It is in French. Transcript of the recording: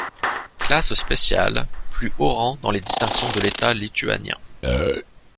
Classe spéciale, plus haut rang dans les distinctions de l'État lituanien.